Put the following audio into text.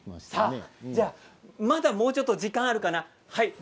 まだもうちょっと時間があるかな。